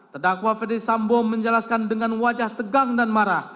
terdakwa ferdisambo menjelaskan dengan wajah tegang dan marah